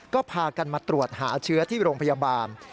ก็พากันมาตรวจหาเชื้อที่โรงพยาบาล